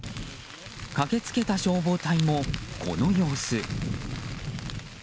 駆け付けた消防隊も、この様子。